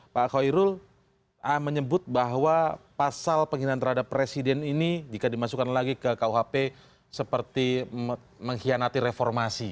pak khairul menyebut bahwa pasal penghinaan terhadap presiden ini jika dimasukkan lagi ke kuhp seperti mengkhianati reformasi